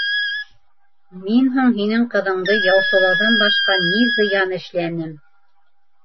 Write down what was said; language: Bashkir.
Мин һуң һинең ҡыҙыңды яусылауҙан башҡа ни зыян эшләнем?